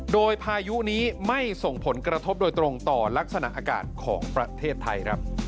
โดยพายุนี้ไม่ส่งผลกระทบโดยตรงต่อลักษณะอากาศของประเทศไทยครับ